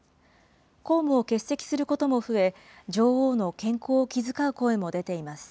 公務を欠席することも増え、女王の健康を気遣う声も出ています。